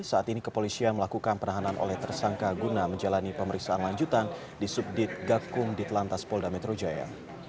saat ini kepolisian melakukan penahanan oleh tersangka guna menjalani pemeriksaan lanjutan di subdit gakum di telantas polda metro jaya